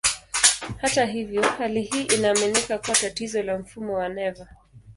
Hata hivyo, hali hii inaaminika kuwa tatizo la mfumo wa neva.